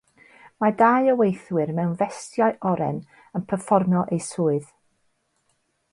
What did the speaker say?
Mae dau o weithwyr mewn festiau oren yn perfformio ei swydd